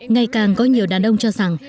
ngày càng có nhiều đàn ông cho rằng